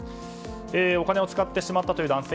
お金を使ってしまったという男性。